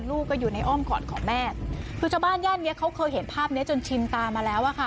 ลูกก็อยู่ในอ้อมกอดของแม่คือชาวบ้านย่านเนี้ยเขาเคยเห็นภาพเนี้ยจนชินตามาแล้วอะค่ะ